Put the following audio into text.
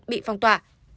bị phong tỏa